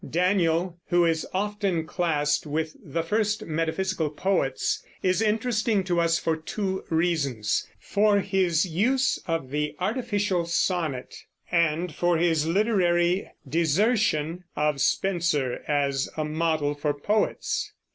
Daniel, who is often classed with the first Metaphysical poets, is interesting to us for two reasons, for his use of the artificial sonnet, and for his literary desertion of Spenser as a model for poets.